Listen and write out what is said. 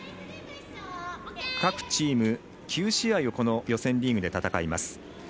各チーム９試合をこの予選リーグで戦います。